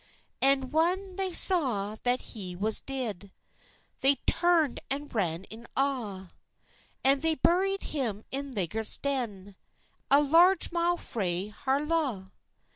An whan they saw that he was deid, They turnd and ran awa, An they buried him in Legget's Den, A large mile frae Harlaw.